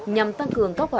nhằm tăng cường tốc hợp